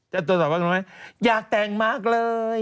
เขาตอบว่าอยากแต่งมากเลย